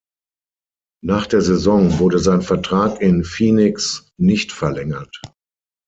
Nach der Saison wurde sein Vertrag in Phoenix nicht verlängert.